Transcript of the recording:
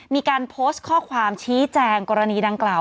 มีการโพสต์ข้อความชี้แจงกรณีดังกล่าว